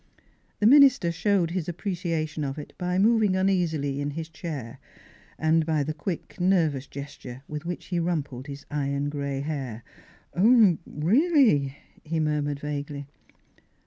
The minister showed his apprecia tion of it by moving uneasily in his chair, and by the quick nervous gesture with which he rumpled his iron grey hair. *' Ah — um, really," he murmured vaguely.